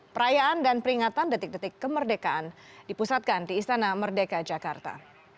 perayaan dan peringatan detik detik kemerdekaan dipusatkan di istana merdeka jakarta